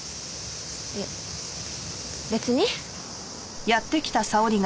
いえ別に。